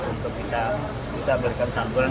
untuk kita bisa berikan santunan